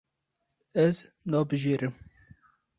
Ez nabijêrim.